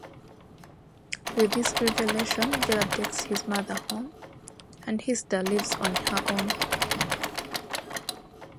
With this revelation, Gerald takes his mother home, and Hester leaves on her own.